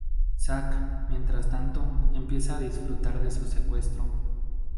Zack, mientras tanto, empieza a disfrutar de su secuestro.